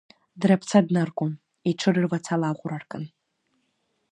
Драԥца днаргон, иҽы рывацала аӷәра ркын.